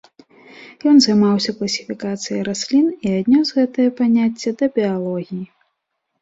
Ён займаўся класіфікацыяй раслін і аднёс гэтае паняцце да біялогіі.